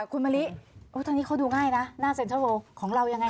คุณมะลิโอ้ทางนี้เขาดูง่ายนะหน้าเซ็นเทอร์โหลของเรายังไงค่ะ